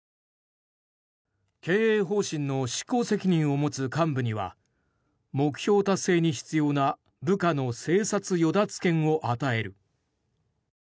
経営方針の執行責任を持つ幹部には目標達成に必要な部下の生殺与奪権を与える。